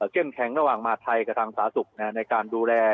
เก้มแข็งระหว่างหมาไทยกับทางสาศุกร์